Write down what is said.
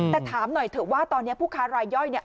แต่ถามหน่อยเถอะว่าตอนนี้ผู้ค้ารายย่อยเนี่ย